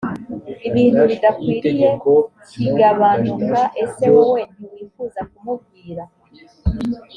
ibintu bidakwiriye kigabanuka ese wowe ntiwifuza kumubwira